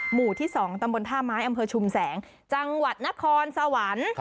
หมู่ที่๒ตำบลท่าไม้อำเภอชุมแสงจังหวัดนครสวรรค์